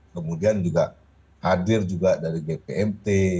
kemudian juga hadir juga dari bpmt